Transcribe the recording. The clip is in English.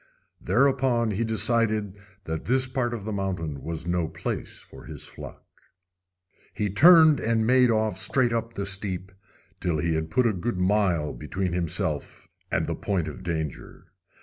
Thereupon he decided that this part of the mountain was no place for his flock. He turned and made off straight up the steep, till he had put a good mile between himself and the point of danger.